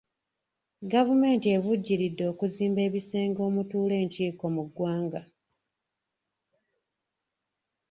Gavumenti evujjiridde okuzimba ebisenge omutuula enkiiko mu ggwanga.